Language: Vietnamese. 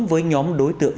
với nhóm đối tượng